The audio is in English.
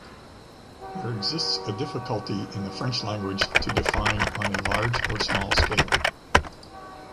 There exists a difficulty in the French language to define on a large or small scale.